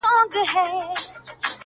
کال په کال یې زیاتېدل مځکي باغونه-